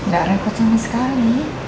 gak repot sama sekali